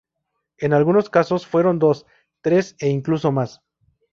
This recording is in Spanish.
En algunos casos fueron dos, tres e incluso más.